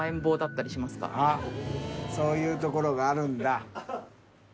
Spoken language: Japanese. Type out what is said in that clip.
あっそういうところがあるんだ？